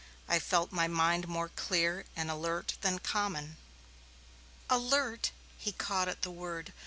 I felt my mind more clear and alert than common." "Alert!" he caught at the word.